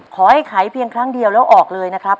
ขอให้ขายเพียงครั้งเดียวแล้วออกเลยนะครับ